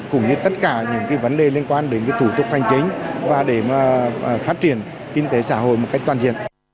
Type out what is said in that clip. cũng như tất cả những cái vấn đề liên quan đến cái thủ tục thành tránh và để mà phát triển kinh tế xã hội một cách toàn diện